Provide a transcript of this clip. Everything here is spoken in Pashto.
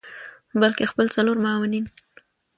بلکه خپل څلور معاونین